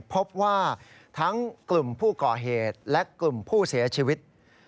พบว่าทั้งกลุ่มผู้ก่อเหตุและกลุ่มผู้เสียชีวิต